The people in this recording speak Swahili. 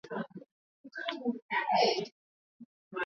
Nchini Uganda bei ya petroli imeongezeka kufikia dola moja